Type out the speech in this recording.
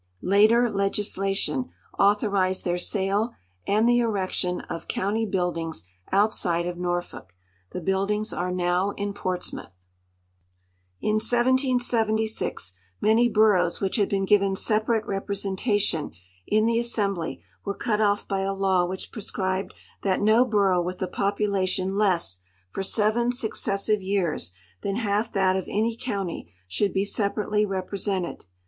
Later legislation authorized their sale and the erection of county l)uildings outside of Norfolk. The build ings are now in Portsmouth. In 1776 many boroughs which had been given separate repre sentation in the assembly were cut off by a law which prescribed that no borough with a population less, for seven successive jmars, than half that of any county should be separately repre sented.